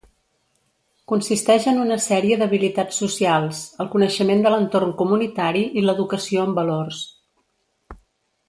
Consisteix en una sèrie d'habilitats socials, el coneixement de l'entorn comunitari i l'educació en valors.